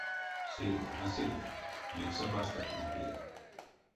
Серьга а Серьга, мекс а варштат монь пелев?